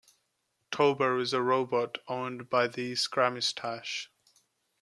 Tobor is a robot owned by the Scrameustache.